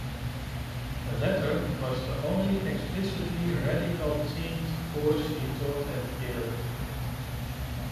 The latter was the only explicitly radical-themed course he taught at Yale.